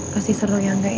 pasti seru ya angga ya